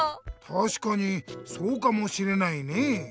たしかにそうかもしれないね。